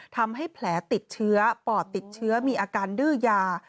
ทำให้แผลติดเชื้อปอดติดเชื้อมีอาการดื้อยา